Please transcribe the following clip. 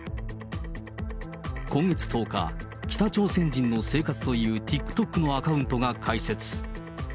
今月１０日、北朝鮮人の生活というＴｉｋＴｏｋのアカウントが開設。